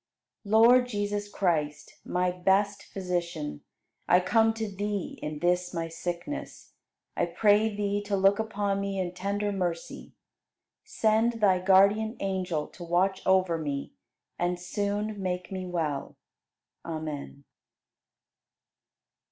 73. Lord Jesus Christ, my best Physician, I come to Thee in this my sickness. I pray Thee to look upon me in tender mercy. Send Thy guardian angel to watch over me and soon make me well. Amen.